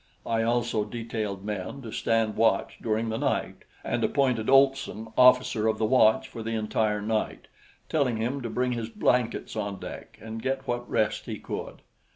I also detailed men to stand watch during the night and appointed Olson officer of the watch for the entire night, telling him to bring his blankets on deck and get what rest he could.